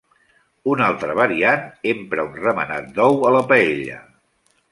Una altra variant empra un remenat d'ou a la paella.